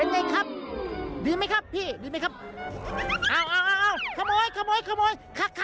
เอาเอาเอาขโมยขโมยขโมย